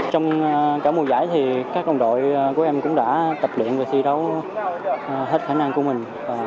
trong cả mùa giải thì các đồng đội của em cũng đã tập luyện và thi đấu hết khả năng của mình